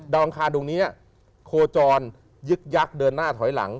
อังคารดวงนี้โคจรยึกยักษ์เดินหน้าถอยหลัง